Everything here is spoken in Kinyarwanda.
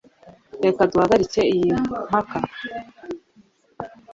Reka duhagarike iyi mpaka